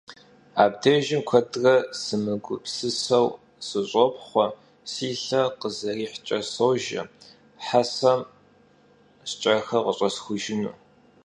Abdêjjım kuedre sımıgupsıseu sış'opxhue, si lhe khızerihç'e sojje, hesem şşç'exer khıxesxujjınu.